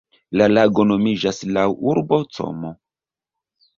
La lago nomiĝas laŭ urbo Como.